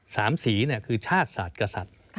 สามสีคือชาติศาสตร์กษัตริย์